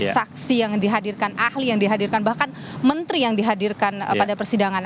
saksi yang dihadirkan ahli yang dihadirkan bahkan menteri yang dihadirkan pada persidangan